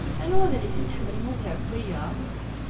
Anwa adlis i tḥemmlem ugar n wiyaḍ?